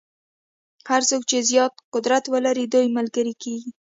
هر څوک چې زیات قدرت ولري دوی ملګري کېږي.